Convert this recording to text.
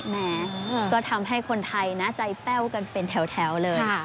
แหมก็ทำให้คนไทยนะใจแป้วกันเป็นแถวเลย